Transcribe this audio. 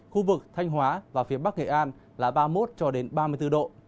khu vực thanh hóa và phía bắc nghệ an là ba mươi một cho đến ba mươi bốn độ